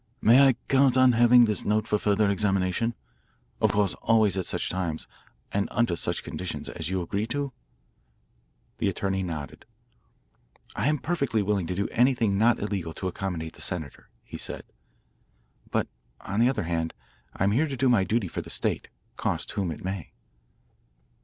"May I count on having this note for further examination, of course always at such times and under such conditions as you agree to?" The attorney nodded. "I am perfectly willing to do anything not illegal to accommodate the senator," he said. "But, on the other hand, I am here to do my duty for the state, cost whom it may."